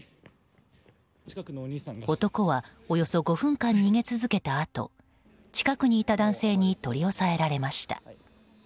男は、およそ５分間逃げ続けたあと近くにいた男性に取り押さえられました。